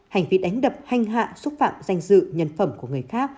hành vi đánh đập hanh hạ xúc phạm danh dự nhân phẩm của người khác